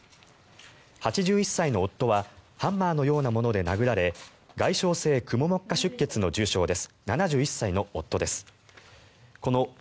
７１歳の夫はハンマーのようなもので殴られ外傷性くも膜下出血の重傷です。